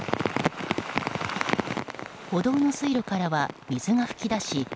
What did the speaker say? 歩道の水路からは水が噴き出し